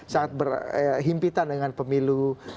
sangat berhimpitan dengan pemilu